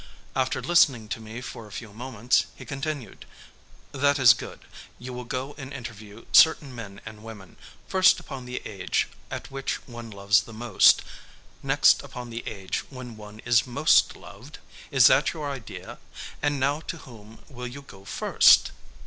After listening to me for a few moments he continued: "That is good. You will go and interview certain men and women, first upon the age at which one loves the most, next upon the age when one is most loved? Is that your idea? And now to whom will you go first?"